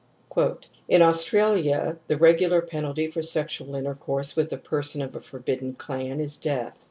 " In Aust ralia^the^ pogular ^nalty for sexual intercourse with.a person of a^forbidden clan is death* .